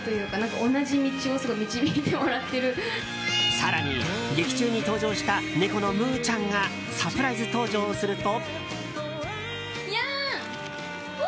更に、劇中に登場した猫のムーちゃんがサプライズ登場すると。